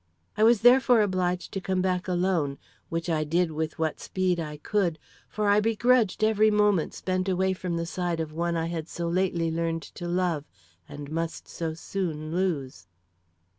I was therefore obliged to come back alone, which I did with what speed I could; for I begrudged every moment spent away from the side of one I had so lately learned to love, and must so soon lose.